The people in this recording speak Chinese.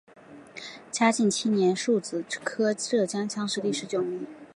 嘉靖七年戊子科浙江乡试第十九名。